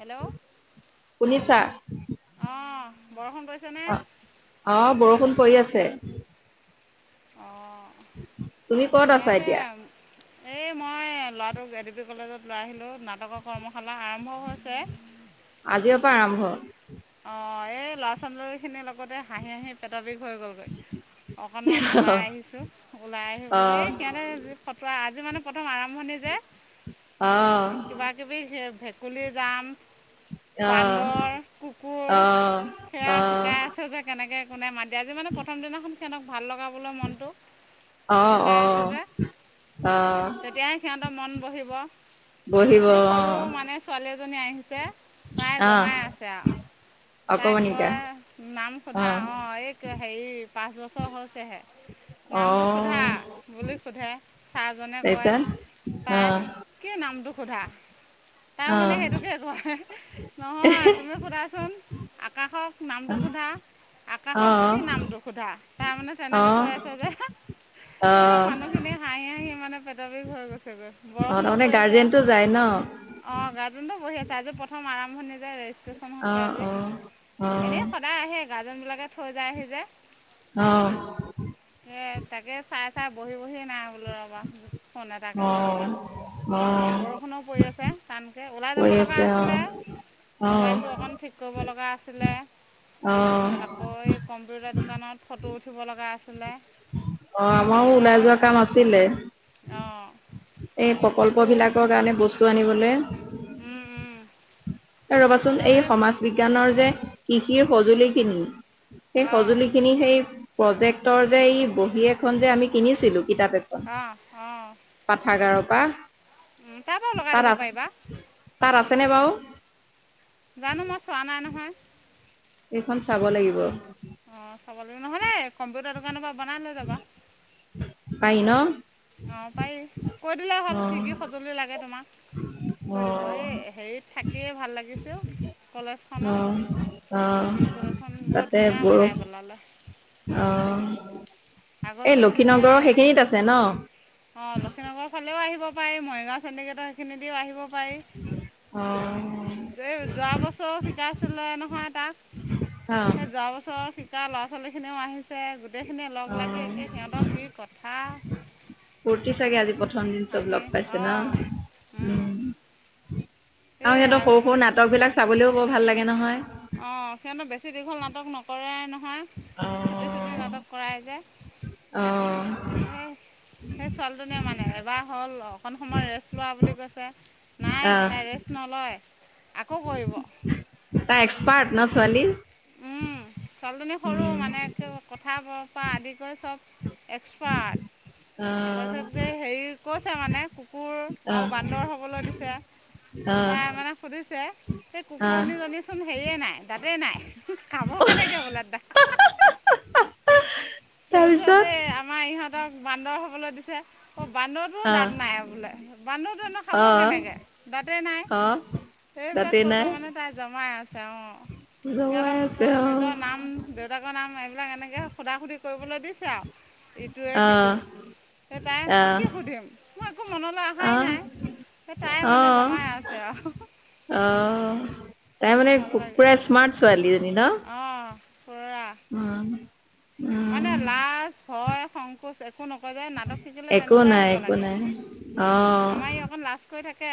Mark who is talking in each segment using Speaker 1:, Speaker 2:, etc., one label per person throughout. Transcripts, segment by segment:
Speaker 1: Hello,
Speaker 2: শুনিছা?
Speaker 1: অ'
Speaker 2: অ' আহ বৰষুণ পৰি আছে।
Speaker 1: অ'।
Speaker 2: তুমি কত আছা এতিয়া?
Speaker 1: এ মই এ ল'ৰাটোক এ ডি পি কলেজত লৈ আহিলো নাটকৰ কৰ্মশালা আৰম্ভ হৈছে।
Speaker 2: আজিৰ পৰা আৰম্ভ।
Speaker 1: অ' এই ল'ৰা ছোৱালালী খিনিৰ লগতে হাঁহি হাঁহি পেটা বিষ হৈ গ'লগৈ। অকনমান
Speaker 2: অ
Speaker 1: ওলাই আহিছো, ওলাই আহি
Speaker 2: অ
Speaker 1: পলৈ এই সিহঁতে ফতোৱা একদম আৰম্ভণি যে।
Speaker 2: অ
Speaker 1: কিব কিবি ভেকুলী জাম,
Speaker 2: অ
Speaker 1: বান্দৰ কু, কোৰ
Speaker 2: অ
Speaker 1: সেয়া শিকাই আছে যে, কেনেকৈ কোনে মািয় আজি মানে প্ৰথম দিনাখন সিহঁতক ভাল লগা কাবলৈ মনটো,
Speaker 2: অ অ
Speaker 1: শিকাই আছে যে,
Speaker 2: অ
Speaker 1: তেতিয়াই সিহঁতৰ মন বহিব।
Speaker 2: বহিব অ'।
Speaker 1: এই সৰু মানে ছোৱালী আহিছে প্ৰায়
Speaker 2: আহ
Speaker 1: জমাই আছে আৰু। তাইক
Speaker 2: অকমানিকা
Speaker 1: কয় নাম সোধা অ', এই হেৰি পাঁচ বছৰ হৈছেহে।
Speaker 2: অ
Speaker 1: নামটো সোধা বুলি সোধে ছাৰজনে কয়
Speaker 2: তাৰপিছত অ
Speaker 1: তাই কি নামটো সোধা তাইও
Speaker 2: অ অ
Speaker 1: মানে সেইটোকে কয় নহয়। তুমি সোধাচোন আকাশক নামটো সোধা।
Speaker 2: অ
Speaker 1: আকাশক কি নামটো সোধা, তাইমানে
Speaker 2: অ
Speaker 1: তেনেকে কৈ আছে যে। এ মানুহখিনিয়ে হাঁহ সি মানে পেটৰ বিষ হৈ গৈছে গৈ,
Speaker 2: অ
Speaker 1: বৰষুণো
Speaker 2: তাৰমানে
Speaker 1: পৰি আছে
Speaker 2: গাৰ্জেনটো যায় ন?
Speaker 1: অ', গৰ্জেনো বহি আছে। আজি প্ৰথম আৰম্ভণি যে ৰেজিষ্ট্ৰেশ্যন
Speaker 2: অ
Speaker 1: হৈছে আজি
Speaker 2: অ
Speaker 1: এনেই সদায় আহে। গাৰ্জেন বিলাকে থৈ যায় আহি যে
Speaker 2: অ অ
Speaker 1: এ, তাকে চাই। চাই বহি, বহি নাই বোলো ৰ'বা। ফোন এটাকে কৰি লওঁ,
Speaker 2: অ', অ',
Speaker 1: বৰষুণো পৰি আছে টা এ, ওলাই যাব
Speaker 2: কৰি
Speaker 1: লগা
Speaker 2: আছে
Speaker 1: আছিলে
Speaker 2: অ', অ',
Speaker 1: মোবাইলটো অকণ ঠিক কৰিব লগা আছিলে।
Speaker 2: অ', অ',
Speaker 1: তাৰপিছত আকৌ এই কম্পিউটাৰ দোকানত ফটো উঠিব লগা আছিলে।
Speaker 2: অ', আমাৰো ওলাই
Speaker 1: ইয়াৰো
Speaker 2: যোৱা কাম
Speaker 1: ফটো
Speaker 2: আছিলে।
Speaker 1: অঁ
Speaker 2: এই
Speaker 1: ফটো
Speaker 2: প্ৰকল্প বিলাকৰ কাৰণে বস্তু আনিবলে। ৰবাচোন এই সমাজ বিজ্ঞানৰ যে কৃষিৰ সঁজুলি খিনি। সেই
Speaker 1: অঁ
Speaker 2: সজুলি খিনি সেই প্ৰজেক্টৰ যে এই বহী এখন যে আমি কিনিছিলোঁ। কিতাপ এখন
Speaker 1: অঁ অঁ
Speaker 2: পাঠাগাৰৰ পৰা।
Speaker 1: উম, তাৰ পৰাও লগাই দিব
Speaker 2: তাত আ
Speaker 1: পাৰিবা
Speaker 2: তাত আছেনে বাওঁ?
Speaker 1: জানো মই চোৱা নাই নহয়।
Speaker 2: এইখন চাব লাগিব।
Speaker 1: অ', চাব লাগিব নহ'লে কম্পিউটাৰ দোকানৰ পৰা বনাই লৈ যাবা।
Speaker 2: পাই ন?
Speaker 1: অ', পাৰি কৈ দিলে হ'ল কি,
Speaker 2: অ',
Speaker 1: কি সঁজুলি লাগে তোমাক। কৈ দিব,
Speaker 2: অ',
Speaker 1: এই হেৰিত থাকিয়ে ভাল লাগিছে কলেজখনত।
Speaker 2: অ', অ',
Speaker 1: এ দি পি কলেজ খন বৰ
Speaker 2: তাতে
Speaker 1: ধুনীয়া
Speaker 2: বৰষ
Speaker 1: বনাই পেলালে।
Speaker 2: অ'।
Speaker 1: আগত
Speaker 2: এই
Speaker 1: কৈ ধুনীয়া
Speaker 2: লক্ষীনগৰৰ
Speaker 1: এই
Speaker 2: সেইখিনিত আছে ন
Speaker 1: অ', লক্ষীনগৰৰ ফালেও আহিব। পাৰি, মৰিগাঁও চেন্তিগেটৰ দিওঁ আহিব।
Speaker 2: অ'।
Speaker 1: দেই যোৱা বছৰ শিকাইছিলে নহয় তাত।
Speaker 2: অ
Speaker 1: সেই যোৱা বছৰ শিকা ল'ৰা ছোৱালী খি খিনিও আহিছে, গোটেইখিনি
Speaker 2: অ
Speaker 1: লগ লাগি একে সিহঁতৰ কি কথা।
Speaker 2: ফূৰ্তি চাগে আজি প্ৰথম দিন চব
Speaker 1: হাঁহি
Speaker 2: লগ পাইছে
Speaker 1: অঁ
Speaker 2: ন। আৰু
Speaker 1: এই
Speaker 2: সিহঁতৰ সৰু, সৰু
Speaker 1: আগতে
Speaker 2: নাটক বিলাক চাবলৈও বৰ ভাল লাগে নহয়।
Speaker 1: অ', সিহঁতৰ বেছি দীঘল নাটক নকৰেই ন। হা,
Speaker 2: অ
Speaker 1: চুটি, চুটি নাটক কৰাই যে।
Speaker 2: অ
Speaker 1: এ, সেই ছোৱালীজনীয়ে মানে এবাৰ হ'ল অকন সময় ৰেষ্ট লোৱা বুলি কৈছে।
Speaker 2: অ
Speaker 1: নাই তাই ৰেষ্ট নলয় আকৌ কৰিব।
Speaker 2: তাই এক্সপাৰ্ট ন ছোৱালী?
Speaker 1: উম, ছোৱালীজনী সৰু
Speaker 2: উম
Speaker 1: মানে কথা ব পৰা আদি কৰি চব। এক্সপাৰ্ট।
Speaker 2: অ
Speaker 1: তাৰপিছত হেৰি কৈছে মানে কুকুৰ
Speaker 2: অ
Speaker 1: আৰু বান্দৰ হ'বলৈ দিছে।
Speaker 2: অ
Speaker 1: তাই মানে সুধিছে এই
Speaker 2: অ
Speaker 1: কুকুৰনীজনী চোন হেৰিয়ে নাই। দাতে নাই খাব কেনেকে বোলে তাই।
Speaker 2: তাৰপিছত
Speaker 1: তাৰপিছতে আমাৰ ইহঁতক বান্দৰ হ'বলৈ দিছে। অ', বান্দৰটোও
Speaker 2: অ
Speaker 1: দাঁত নাই বোলে বান্দৰটোনো খাব
Speaker 2: অ
Speaker 1: কেনেকৈ দাঁতেই নাই।
Speaker 2: অ
Speaker 1: সেইবিলাক
Speaker 2: দাঁতেই
Speaker 1: কৈ কৈ
Speaker 2: নাই
Speaker 1: মানে তাই জমাই আছে। তেওঁ
Speaker 2: জমাই
Speaker 1: সিহঁতক
Speaker 2: আছে অ
Speaker 1: নিজৰ নাম, দেউতাকৰ নাম, এইবিলাক এনেকৈ সুধা সুধি কৰিবলৈ দিছে আৰু ইটোৱে সিটোক। এ তাই,
Speaker 2: অ
Speaker 1: মই কি
Speaker 2: অ
Speaker 1: সুধিম মই একো মনলৈ আহাই নাই। সেই তাই মানে
Speaker 2: অহ',
Speaker 1: জমাই আছে আৰু
Speaker 2: অহ'। তাই মানে পুৰা স্মাৰ্ট ছোৱালীজনী। ন?
Speaker 1: অহ।
Speaker 2: উম। উম,
Speaker 1: মানে লাজ, ভয়, সংকোচ, একো একো নকৰে যে, নাটক শিকিলে
Speaker 2: একো
Speaker 1: তেনেকুৱাই
Speaker 2: নাই,
Speaker 1: হ'ব
Speaker 2: একো
Speaker 1: লাগে।
Speaker 2: নাই।
Speaker 1: উম,
Speaker 2: অ',
Speaker 1: আমাৰ ই অকণ লাজ কৰি থাকে।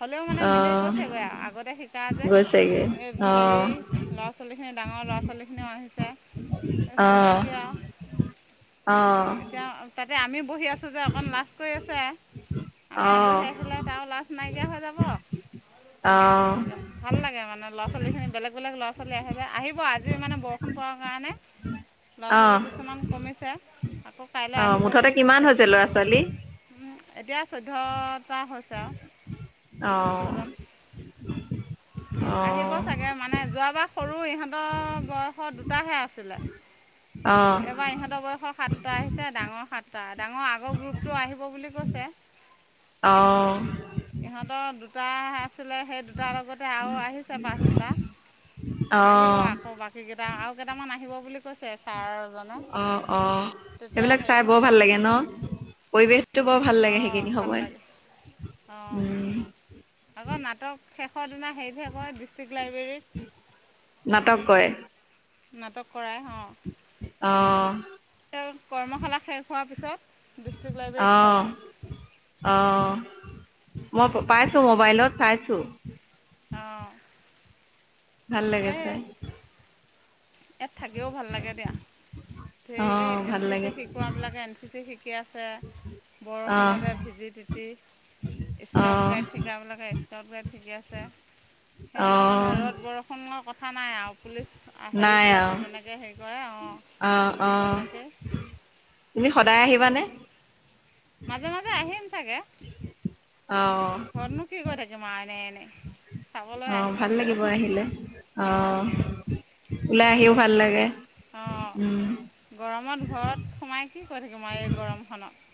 Speaker 1: হ'লেও মানে মিলি
Speaker 2: অ',
Speaker 1: গৈছে গৈ আৰু আগতে শিকা যে,
Speaker 2: গৈছেগে
Speaker 1: এই হেৰি
Speaker 2: অ',
Speaker 1: ল'ৰা-ছোৱালীখিন। ডাঙৰ ল'ৰা-ছোৱালীখিনিও আহিছে।
Speaker 2: [unintelligible] অহ।
Speaker 1: এতিয়া, এতিয়া তাতে আমি বহি আছোঁ যে অকন লাজ কৰি আছে। আমি
Speaker 2: অ',
Speaker 1: আতৰি আহিলে তাৰো লাজ নাইকিয়া হৈ যাব।
Speaker 2: অহ।
Speaker 1: তেনেকৈ ভাল লাগে মানে ল'ৰা-ছোৱালীখিনি বেলেগ বেলেগ ল'ৰা-ছোৱালী আহে যে, আহিব আজিও মানে বৰষুণ পাৰাৰ কাৰণে [unintelligible]
Speaker 2: অ',
Speaker 1: ল'ৰা-ছোৱালী
Speaker 2: অ',
Speaker 1: কিছুমান কমিছে, আকৌ কাইলৈ আহিব
Speaker 2: মুঠতে
Speaker 1: বুলি
Speaker 2: কিমান
Speaker 1: কৈছে।
Speaker 2: হৈছে ল'ৰা ছোৱালী?
Speaker 1: এতিয়া চৈধ্যয়টা হৈছে আৰু
Speaker 2: অ',
Speaker 1: চৈধ্যজন। [unintelligible] আহিব
Speaker 2: অ',
Speaker 1: চাগে মানে যোৱা বাৰ সৰু ইহঁতৰ বয়সৰ দুটাহে আছিলে।
Speaker 2: অ',
Speaker 1: এইবাৰ ইহঁতৰ বয়সৰ সাতটা আহিছে, ডাঙৰ সাতটা। ডাঙৰ আগৰ গ্ৰুপটো আহিব বুলি কৈছে।
Speaker 2: অহ।
Speaker 1: ইহঁতৰ দুটা আছিলে, সেই দুটাৰ লগতে আৰু আহিছে পাঁচটা।
Speaker 2: অ',
Speaker 1: আহিব আকৌ বাকী কেইটা আৰু কেইটামান আহিব বুলি কৈছে। ছাৰজনে
Speaker 2: অহ', অহ'।
Speaker 1: তেতিয়া
Speaker 2: সেইবিলাক
Speaker 1: হেৰি
Speaker 2: চাই বৰ
Speaker 1: হ'ব
Speaker 2: ভাল লাগে
Speaker 1: আৰু
Speaker 2: ন। পৰিৱেশটো বৰ ভাল লাগে
Speaker 1: অঁ
Speaker 2: সেইখিনি
Speaker 1: ভাল লাগে
Speaker 2: সময়ত
Speaker 1: অঁ
Speaker 2: উম।
Speaker 1: আকৌ নাটক শেষৰ দিনা হেৰিতহে কৰে ডিষ্ট্ৰিক্ট লাইব্ৰেৰীত।
Speaker 2: নাটক কৰে।
Speaker 1: নাটক কৰাই, অহ।
Speaker 2: অ
Speaker 1: তেওঁ কৰ্মশালা শেষ হোৱাৰ পিছত ডিষ্ট্ৰিক্ট লাইব্ৰেৰীত কৰায়।
Speaker 2: অহ, মই পাইছোঁ ম'বাইলত চাইছোঁ।
Speaker 1: অঁ
Speaker 2: ভাল লাগে
Speaker 1: সেই
Speaker 2: চাই।
Speaker 1: ইয়াত থাকিও ভাল লাগে দিয়া।
Speaker 2: অ
Speaker 1: সেই এই এন
Speaker 2: ভাল
Speaker 1: চি চি
Speaker 2: লাগে
Speaker 1: শিকোৱাবিলাকে এন চি চি শিকি আছে,
Speaker 2: অ
Speaker 1: বৰষুণতে ভিজি তিতি।
Speaker 2: অ
Speaker 1: স্কাউট গাইড শিকাবিলাকে স্কাউট গাইড শিকি আছে।
Speaker 2: অ
Speaker 1: সিহঁতৰ মানে ৰ'দ বৰষুণৰ কথা নাই আৰু পুলিচ হেৰিবলাকে যেনেকে হেৰি কৰে অঁ
Speaker 2: অহ', অহ'।
Speaker 1: তেনেকৈ
Speaker 2: তুমি সদায় আহিবানে?
Speaker 1: মাজে-মাজে আহিম চাগে। ঘৰতনো কি কৰি থাকিম আৰু এনেই এনেই। চাবলৈ
Speaker 2: অহ,
Speaker 1: আহিব
Speaker 2: ভাল লাগিব আহিলে অহ।
Speaker 1: মাজে-মাজে অহ,
Speaker 2: উম
Speaker 1: গৰমত ঘৰত সোমায় কি কি কৰি থাকিম আৰু এই গৰমখনত।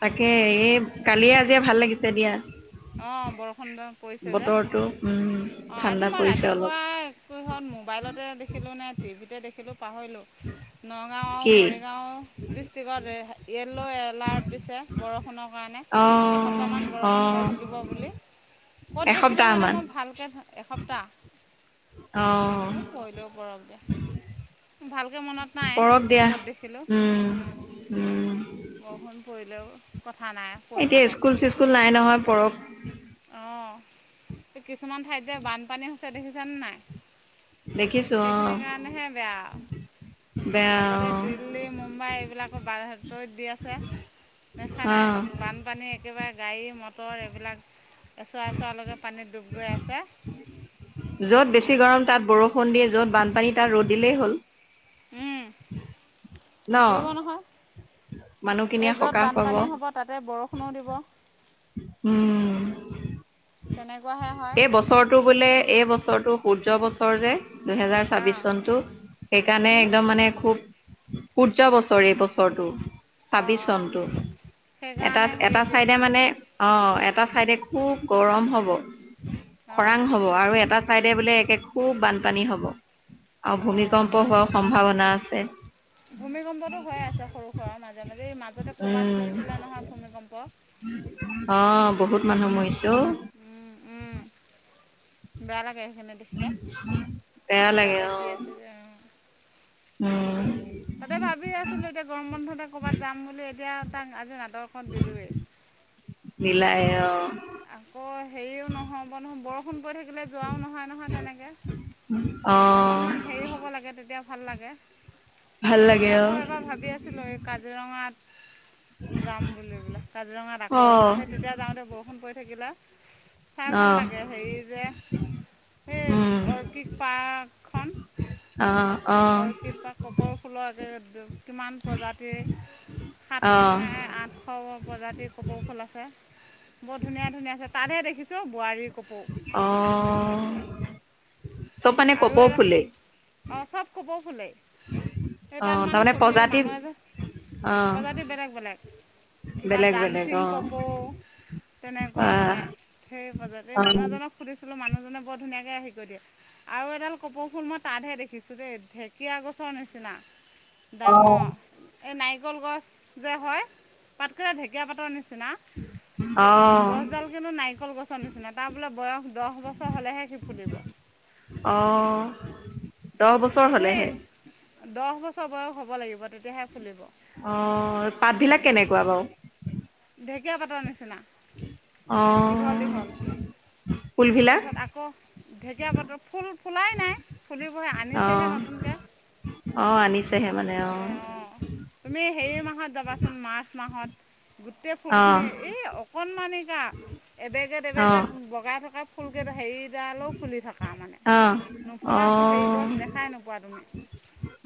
Speaker 2: তাকে এই কালিয়ে আজিয়ে ভাল লাগিছে দিয়া।
Speaker 1: অহ, বৰষুণ [unintelligible] পৰিছে যে।
Speaker 2: বতৰটো উম
Speaker 1: অহ, আজি
Speaker 2: ঠাণ্ডা
Speaker 1: মই
Speaker 2: পৰিছে অলপ
Speaker 1: ৰাতিপুৱাই কিহত ম'বাইলতে দেখিলোঁ নে টিভিতে দেখিলোঁ। পাহৰিলোঁ, নগাঁও আৰু
Speaker 2: কি
Speaker 1: মৰিগাঁও ডিষ্ট্ৰিক্টত য়েল্ল' এলাৰ্ট দিছে। বৰষুণৰ কাৰণে
Speaker 2: অ
Speaker 1: এসপ্তাহমান
Speaker 2: অ
Speaker 1: বৰষুণ হৈ থাক কিব বুলি ক'ত দেখিলো
Speaker 2: এসপ্তাহ
Speaker 1: মানে
Speaker 2: মান
Speaker 1: মই ভালকে এসপ্তাহ
Speaker 2: অ',
Speaker 1: পৰিলেও পৰক দিয়া ভাল কেও মনত নাই
Speaker 2: পৰক দিয়া।
Speaker 1: ক'ত দেখিলো। উম
Speaker 2: উম,
Speaker 1: বৰষুণ পৰিলেও কথা নাই পৰি
Speaker 2: এতিয়া ইস্কুল-চিস্কুল নাই নহয় পৰক।
Speaker 1: অ, কিছুমান ঠাইত যে বানপানী হৈছে দেখিছান নাই?
Speaker 2: দেখিছো
Speaker 1: সেইখিনি
Speaker 2: অ',
Speaker 1: কাৰণেহে বেয়া।
Speaker 2: বেয়া
Speaker 1: আগতে
Speaker 2: অ',
Speaker 1: দিল্লী, মুম্বাই এইবিলাকো বাতৰিত দি আছে। দেখা নাই
Speaker 2: অ',
Speaker 1: বানপানী একেবাৰে গাড়ী, মটৰ এইবিলাক এছোৱা এছোৱালৈকে পানীত ডুব গৈ আছে।
Speaker 2: য'ত বেছি গৰম তাত বৰষুণ দি, য'ত বানপানী তাত ৰ'দ দিলেই হ'ল।
Speaker 1: উম
Speaker 2: ন?
Speaker 1: নিদিব নহয় এই
Speaker 2: মানুহখিনিয়ে
Speaker 1: য'ত
Speaker 2: সকাহ পাব।
Speaker 1: বানপানী হ'ব তাতে বৰষুণো দিব।
Speaker 2: উম,
Speaker 1: তেনেকুৱাহে হয়
Speaker 2: এই বছৰটো বোলে এই বছৰ বছৰটো সূৰ্য্য বছৰ যে দুহেজাৰ ছাব্বিশ
Speaker 1: অঁ
Speaker 2: চনটো সেইকাৰণে
Speaker 1: কি
Speaker 2: একদম মানে খুব সূৰ্য্য বছৰ এই বছৰটো।
Speaker 1: অঁ
Speaker 2: ছাব্বিছ
Speaker 1: অঁ
Speaker 2: চনটো এটা
Speaker 1: সেইকাৰণে হেৰি
Speaker 2: এটা চাইডে
Speaker 1: নেকি
Speaker 2: মানে অ, এটা চাইডে খুব গৰম হ'ব,
Speaker 1: অ',
Speaker 2: খৰাং হ'ব আৰু এটা চাইদে বোলে একে খুব বানপানী হব, আৰু
Speaker 1: অ'।
Speaker 2: ভূমিকম্প হোৱাও সম্ভাৱনা আছে।
Speaker 1: ভূমিকম্পটো হৈয়ে আছে সৰু সুৰা মাজে, মাজে এই মাজতে ক'বাত
Speaker 2: উম
Speaker 1: হৈছিলে নহয় ভূমিকম্প।
Speaker 2: [unintelligible] অ, বহুত মানুহ মৰিছে অ।
Speaker 1: উম, উম, বেয়া লাগে। সেনে দেখিলে,
Speaker 2: বেয়া লাগে
Speaker 1: বাতৰিত
Speaker 2: অ
Speaker 1: দি আছে যে অ।
Speaker 2: উম।
Speaker 1: তাকে ভাবি আছিলো এতিয়া গৰম বন্ধতে ক'বাত যাম বুলি, এতিয়া তাক আজি নাটক ত দিলোয়ে।
Speaker 2: দিলায়েই অ।
Speaker 1: আকৌ হেৰিও ন'হব নহয়, বৰষুণ পৰি থাকি কিলে যোৱাও নহয় নহয় তেনেকে,
Speaker 2: অ
Speaker 1: অকনমান হেৰি হ'ব লাগে তেতিয়া ভাল লাগে,
Speaker 2: ভাল লাগে
Speaker 1: তথাপিও
Speaker 2: অ
Speaker 1: আকৌ এবাৰ ভাবি আছিলো এই কাজিৰঙাত যাম বুলি বোলো কাজিৰঙাত
Speaker 2: অ
Speaker 1: আকৌ এবাৰ সেই তেতিয়া যাওঁতে বৰষুণ পৰি থাকিলে চাই
Speaker 2: অ
Speaker 1: ভাল লাগে হেৰি যে এই
Speaker 2: উম
Speaker 1: অৰ্কিড পাৰ্কখন।
Speaker 2: অ অ
Speaker 1: অৰ্কিড পাৰ্ক কপৌ ফুলৰ আগে কিমান প্ৰজাতিৰ
Speaker 2: অ
Speaker 1: সাতশ নে আঠশ প্ৰজাতিৰ কপৌ ফুল আছে, বহুত আছে তাত হে দেখিছো বোৱাৰী কপৌ
Speaker 2: অ। চব মানে
Speaker 1: আৰু
Speaker 2: কপৌ
Speaker 1: এটা,
Speaker 2: ফুলেই
Speaker 1: অ, চব কপৌ ফুলেই। সেই
Speaker 2: অ
Speaker 1: তাত মানে
Speaker 2: তাৰমানে
Speaker 1: সুধি
Speaker 2: প্ৰজাতি
Speaker 1: মানুহ এজন,
Speaker 2: অ
Speaker 1: প্ৰজাতি বেলেগ বেলেগ। কিবা
Speaker 2: বেলেগ বেলেগ
Speaker 1: ডান্সিং
Speaker 2: অ
Speaker 1: কপৌ তেনেকুৱা মানে
Speaker 2: আহ,
Speaker 1: সেই প্ৰজাতিৰ,
Speaker 2: আহ,
Speaker 1: মানুহজনক সুধিছ ছিলো মানুহজনে বৰ ধুনীয়াকে হেৰি কৰি দিয়ে। আৰু এডাল কপৌফুল মই তাতহে দেখিছো দেই, ঢেকীয়া গছৰ নিচিনা।
Speaker 2: অ
Speaker 1: ডাঙৰ, এই নাৰিকল গছ যে হয়, পাতখিলা ঢেকীয়া পাতৰ নিচি না
Speaker 2: অ
Speaker 1: গছডাল কিন্তু নাৰিকল গছৰ নিচিনা তাৰ বোলে বয়স দহ বছৰ হ'লেহে সি ফুলিব।
Speaker 2: অ, দহ বছৰ হ'লেহে?
Speaker 1: ছৰ বয়স হ'ব লাগিব, তেতিয়াহে ফুলিব।
Speaker 2: অ, পাতবিলাক কেনেকুৱা বাও?
Speaker 1: ঢেকীয়া পাতেৰ নিচিনা।
Speaker 2: অ
Speaker 1: দীঘল দীঘল।
Speaker 2: ফুলবিলাক
Speaker 1: তাৰপিছত আকৌ ঢেঁকীয়া পাতৰ ফুল ফুলাই নাই। ফুলিবহে
Speaker 2: অ
Speaker 1: আনিছেহে নতুনকে।
Speaker 2: অ আনিছেহে মানে অ
Speaker 1: তাতে অ' তুমি হেৰী মাহত যাবাচোন মাৰ্চ মাহত, গোটেই
Speaker 2: অ
Speaker 1: ফুলখিনি এই অকনমানি কা এবেগেত
Speaker 2: অ
Speaker 1: এবেগেত বগাই থকা ফুলকেইটা হেৰিডালও ফুলি থকা মানে।
Speaker 2: অ অ
Speaker 1: নুফুলা ফ হেৰি গছ দেখাই নোপোৱা তুমি।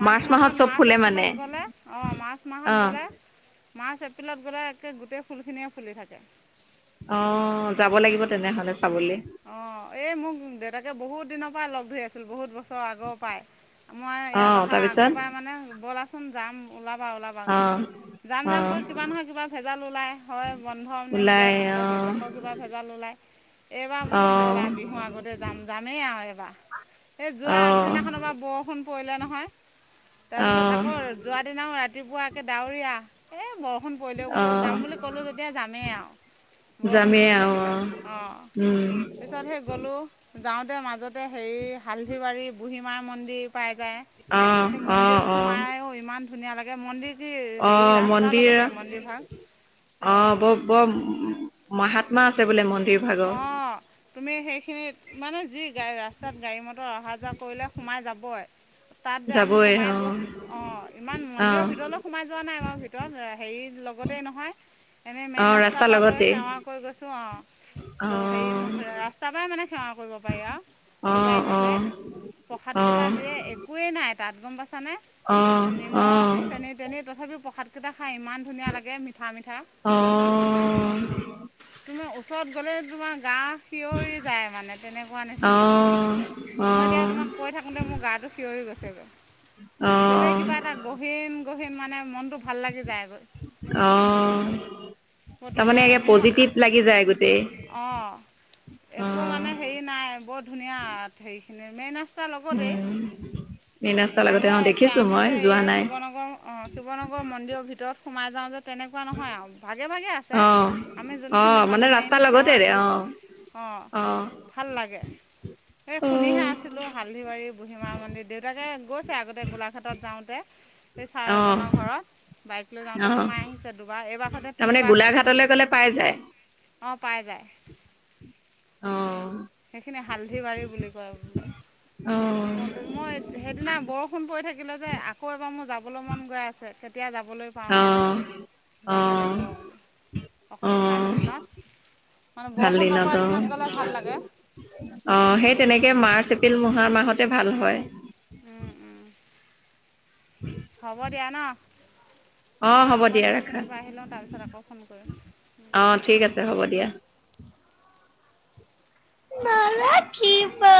Speaker 1: মাৰ্চ মাহ
Speaker 2: মাহত
Speaker 1: হন
Speaker 2: চব
Speaker 1: মাৰ্চ
Speaker 2: ফুলে মানে
Speaker 1: এপ্ৰিলত গ'লে অ' মাৰ্চ
Speaker 2: অ
Speaker 1: মাহত গ'লে মাৰ্চ এপ্ৰিলত গ'লে একে গোটেই ফুলখিনিয়ে ফুলি থাকে।
Speaker 2: অ' যাব লাগিব তেনেহ'লে। চাবলৈ
Speaker 1: অ', এই মোক দেউতাকে বহুত দিনৰ পৰা লগ ধৰি আছিল বহুত বছ ছৰ আগৰ পৰাই, মই
Speaker 2: অ
Speaker 1: ইয়াত অহা
Speaker 2: তাৰপিছত
Speaker 1: আগৰপৰাই মানে ব'লাচোন যাম ওলা ওলাবা ওলাবা
Speaker 2: অ
Speaker 1: গৈ। যাম
Speaker 2: অ
Speaker 1: যাম কৰি কিবা নহয় কিবা ভেজাল ওলাই, হয় বন্ধ নিমিলে
Speaker 2: ওলাই অ
Speaker 1: নহ'লে দেউতাকৰ কিবা ভেজাল ওলায়। এইবাৰ
Speaker 2: অ
Speaker 1: বোলো ব'লা আৰু বিহুৰ আগতে যাম, যামেই আৰু এইবাৰ। এই যোৱা
Speaker 2: অ
Speaker 1: আগদিনাখনৰপৰা বৰষুণ পৰিলে নহয়, তাৰপিছত আকৌ যোৱা দিনাও ৰাত ৰাতিপুৱাকে ডাৱৰীয়া, এ, ব বৰষুণ পৰিলেও
Speaker 2: অ
Speaker 1: বোলো
Speaker 2: অ
Speaker 1: যাম বুলি ক'লোঁ যেতিয়া যামেই আৰু, বৰষুণ
Speaker 2: যামেই
Speaker 1: পৰি
Speaker 2: আৰু অ
Speaker 1: থাকিলেও, অ'।
Speaker 2: উম
Speaker 1: পিছত সেই গলো, যাওঁতে মাজতে হেৰি হালধিবাৰী বুঢ়ীমাৰ মন্দিৰ পাই যায়।
Speaker 2: অ
Speaker 1: সেই
Speaker 2: অ
Speaker 1: মন্দিৰত
Speaker 2: অ
Speaker 1: সোমাইয়ো ইমান ধুনীয়া লাগে, মন্দিৰ দিৰ
Speaker 2: অ
Speaker 1: হেৰি ৰাস্তাৰ
Speaker 2: মন্দিৰ
Speaker 1: লগতে মন্দিৰ ভাগ।
Speaker 2: অ' বৰ বৰ মহাত্মা আছে বোলে মন্দিৰ ভাগৰ।
Speaker 1: অঁ তুমি সেইখিনিত মানে যি গা়-ৰাস্তাত গাড়ী মটৰ অহা যোৱা কৰিলে সোমাই যাবই। তাত আমি
Speaker 2: যাবই
Speaker 1: সোমাই
Speaker 2: অ
Speaker 1: গৈছোঁ। অ' ইমান
Speaker 2: অ
Speaker 1: মন্দিৰৰ ভিতৰলৈ সোমাই যোৱা নাই বাৰু, ভিতৰত হেৰি লগতেই নহয়। এনে
Speaker 2: অ
Speaker 1: মেইন
Speaker 2: ৰাস্তাৰ
Speaker 1: ৰাস্তাৰপৰা লৈ
Speaker 2: লগতেই
Speaker 1: সেৱা কৰি গৈছোঁ আৰু।
Speaker 2: অ
Speaker 1: ধৰ হেৰিৰ মুহেৰে, ৰাস্তাৰ পৰাই মানে সেৱা কৰিব পাৰি আৰু।
Speaker 2: অ
Speaker 1: পূজাই
Speaker 2: অ
Speaker 1: থকে প্ৰসাদ
Speaker 2: অ অ
Speaker 1: কেইটা দিয়ে, একোৱেই নাই। তাত গম পছানে?
Speaker 2: অ অ
Speaker 1: নিমখ চেনি টেনি তথাপিও প্ৰসাদকেইটা খাই ইমান ধুনীয়া লাগে মিঠা মিঠা।
Speaker 2: অ অ অ অ
Speaker 1: তুমি ওচৰত গলেই তোমাৰ গা খিঞৰি যায় মানে তেনেকুৱা নিচিনা। মই এতিয়া তোমাক কৈ থাকোঁতে মোৰ গাটো থিঞৰি গৈছে। গলেই কিবা এটা গহীন গহীন মানে মনটো ভাল লাগি যায়গৈ
Speaker 2: অ' তাৰমানে এ, পজিটিভ লাগি যায়। গোটেই
Speaker 1: অ'
Speaker 2: অ
Speaker 1: একোঁ মানে হেৰি নাই, বৰ ধুনীয়া হেৰি মেই। ৰাস্তাৰ লগতেই।
Speaker 2: উম মেইন ৰাস্তাৰ লগতে অ
Speaker 1: ডাঙৰ, এতিয়া
Speaker 2: দেখিছো
Speaker 1: আমি
Speaker 2: মই
Speaker 1: যে এই
Speaker 2: যোৱা নাই
Speaker 1: শিৱনাগৰ অ' শিৱনাগৰৰ মন্দিৰৰ ভিতৰত সোমাই যাওঁ যে তেনেকুৱা নহয় আৰু, ভাগে ভাগে আছে
Speaker 2: অ
Speaker 1: আমি
Speaker 2: অ
Speaker 1: যোনখিনি মানে মেইন
Speaker 2: ৰাস্তাৰ
Speaker 1: সেৱা
Speaker 2: লগতেৰে অ
Speaker 1: কৰিছোঁ। অ' ভাল লাগে। এই শুনিহে আছিলোঁ হালধিবাৰী বুঢ়িমা মন্দিৰ, দেউতাকে গৈছে আগতে গোলাঘাটত যাওঁতে। সেই ছাৰ
Speaker 2: অ
Speaker 1: এজনৰ ঘৰত বাইক লৈ
Speaker 2: অ
Speaker 1: যাওঁতে সোমাই আহিছে দুবাৰ, এইবাৰ সতে
Speaker 2: তাৰমানে
Speaker 1: তিনিবাৰ হ'ল।
Speaker 2: গোলাঘাটলৈ [unintelligible]
Speaker 1: অ' পাই যায়।
Speaker 2: অ
Speaker 1: হেইখিনি হালধিবাৰী বুলি কয় বোলে।
Speaker 2: অ
Speaker 1: অ' মই সেইদিনা বৰষুণ পৰি থাকিলে যে আকৌ এবাৰ মোৰ যাবলৈ মন গৈ আছে। এতিয়া যাবলৈ পাওঁ
Speaker 2: অ
Speaker 1: আৰু।
Speaker 2: অ
Speaker 1: যাব লাগিব বোলো
Speaker 2: অ
Speaker 1: অকণ ভাল দিনত মানে
Speaker 2: ভাল
Speaker 1: বৰষুণ
Speaker 2: দিনত
Speaker 1: নপৰা
Speaker 2: অ'।
Speaker 1: গ'লে ভাল লাগে
Speaker 2: অ' সেই
Speaker 1: গৈ
Speaker 2: তেনেকে
Speaker 1: ভাল
Speaker 2: মাৰ্চ, এপ্ৰিল মহা মাহতে ভাল হয়।
Speaker 1: উম, উম। হ'ব দিয়া ন'।
Speaker 2: অ
Speaker 1: মই
Speaker 2: হ'ব
Speaker 1: অকণ
Speaker 2: দিয়া ৰাখা
Speaker 1: এইখিনিৰপৰা আহিলওঁ তাৰপিছত আকৌ ফোন কৰিম।
Speaker 2: অ ঠিক আছে হ'ব মালে কি পা